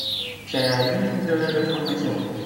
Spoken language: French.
C'est l'album de la reformation.